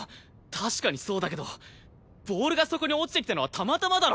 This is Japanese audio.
確かにそうだけどボールがそこに落ちてきたのはたまたまだろ？